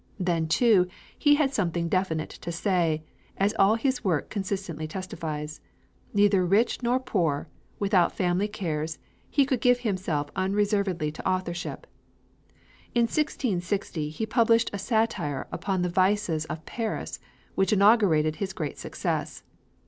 Then too he had something definite to say, as all his work consistently testifies. Neither rich nor poor, without family cares, he could give himself unreservedly to authorship. In 1660 he published a satire upon the vices of Paris, which inaugurated his great success.